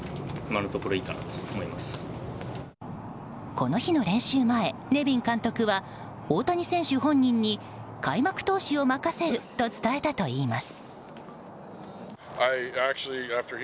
この日の練習前、ネビン監督は大谷選手本人に開幕投手を任せると伝えたといいます。